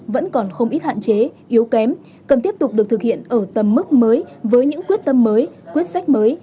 vẫn còn không ít hạn chế yếu kém cần tiếp tục được thực hiện ở tầm mức mới với những quyết tâm mới quyết sách mới